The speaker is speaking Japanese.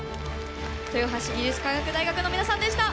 豊橋技術科学大学の皆さんでした。